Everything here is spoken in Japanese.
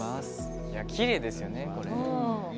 きれいですよね。